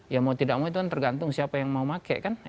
ya mau tidak mau itu kan tergantung siapa yang mau pakai kan